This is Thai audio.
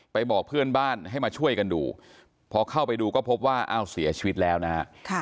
บอกเพื่อนบ้านให้มาช่วยกันดูพอเข้าไปดูก็พบว่าอ้าวเสียชีวิตแล้วนะฮะ